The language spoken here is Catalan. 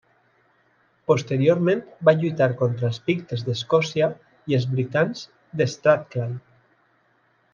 Posteriorment va lluitar contra els pictes d'Escòcia i els britans de Strathclyde.